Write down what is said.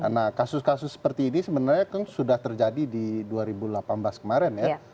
nah kasus kasus seperti ini sebenarnya kan sudah terjadi di dua ribu delapan belas kemarin ya